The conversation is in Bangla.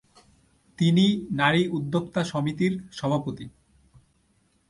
তিনি নারী উদ্যোক্তা সমিতির সভাপতি।